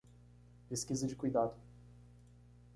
Pesquisa de cuidado